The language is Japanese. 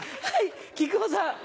はい。